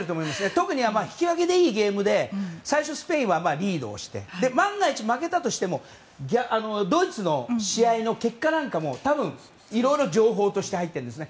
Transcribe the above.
特に引き分けでいいゲームで最初スペインはリードをして万が一負けたとしてもドイツの試合の結果なんかも多分、いろいろ情報として入っているんですね。